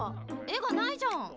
絵がないじゃん。